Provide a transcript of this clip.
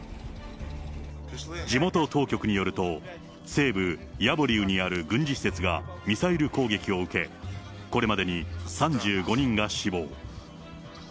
地元当局によると、西部ヤボリウにある軍事施設がミサイル攻撃を受け、これまでに３５人が死亡。